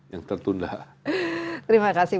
yang tertunda terima kasih